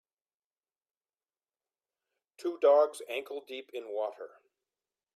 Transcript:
Two dogs ankledeep in water